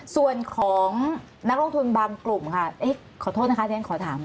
ส่วนของนักลงทุนบางกลุ่มค่ะขอโทษนะคะเรียนขอถาม